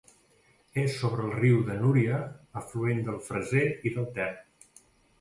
És sobre el riu de Núria, afluent del Freser i del Ter.